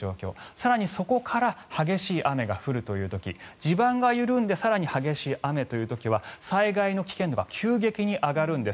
更にそこから激しい雨が降るという時地盤が緩んで更に激しい雨という時は災害の危険度が急激に上がるんです。